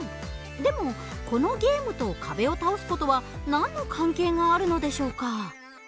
でもこのゲームと壁を倒す事は何の関係があるのでしょうか？